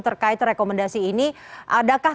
terkait rekomendasi ini adakah